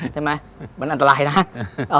ใช่ไหมมันอันตรายนะ